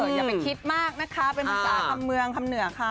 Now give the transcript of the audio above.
อย่าไปคิดมากนะคะเป็นภาษาคำเมืองคำเหนือค่ะ